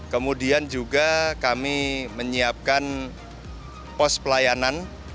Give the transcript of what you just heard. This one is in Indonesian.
kemudian juga kami menyiapkan pos pelayanan